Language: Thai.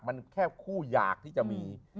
มันแค่คู่อยากที่จะมี